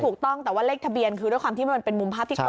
ถูกต้องแต่ว่าเลขทะเบียนคือด้วยความที่มันเป็นมุมภาพที่ก่อน